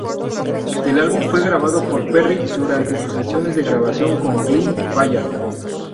El álbum fue grabado por Perry, durante sus sesiones de grabación con Glen Ballard.